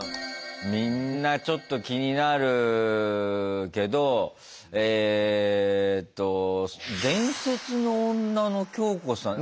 みんなちょっと気になるけどえと「伝説の女」のきょうこさん。